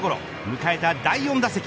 迎えた第４打席。